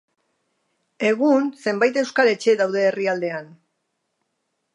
Egun zenbait euskal etxe daude herrialdean.